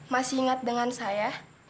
masih ingat dengan saya